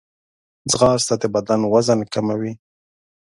ځغاسته د بدن وزن کموي